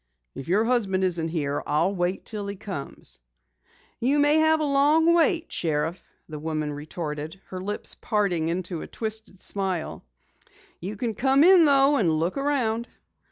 "If your husband isn't here, I'll wait until he comes." "You may have a long wait, Sheriff," the woman retorted, her lips parting in a twisted smile. "You can come in though and look around."